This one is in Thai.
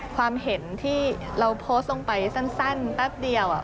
ความเห็นที่เราโพสต์ลงไปสั้นแป๊บเดียว